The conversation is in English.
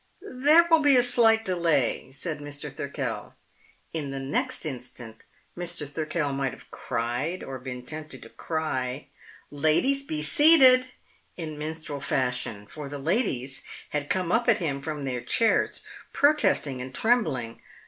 "There will be a slight delay," said Mr. Thirkell. In the next instant, Mr. Thirkell might have cried, or been tempted to cry, "Ladies, be seated!" in minstrel fashion, for the ladies had come up at him from their chairs, protesting and trembling.